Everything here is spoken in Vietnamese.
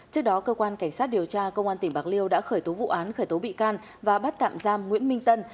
trước đó cơ quan cảnh sát điều tra công an tỉnh bạc liêu đã khởi tố vụ án khởi tố bị can và bắt tạm giam nguyễn minh tân